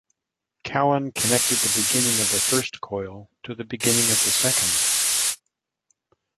Callan connected the beginning of the first coil to the beginning of the second.